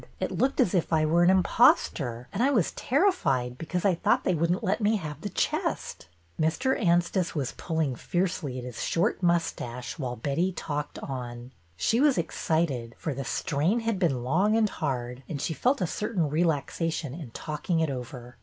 It looked as if I were an impostor, and I was ter rified because I thought they would n't let me have the chest." ( Mr. Anstice was pulling fiercely at his short mustache while Betty talked on. She was ex cited, for the strain had been long and hard, and she felt a certain relaxation in talking it over.